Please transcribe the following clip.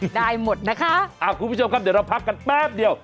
ได้หมดนะคะคุณผู้ชมครับเดี๋ยวเราพักกันแป๊บเดียว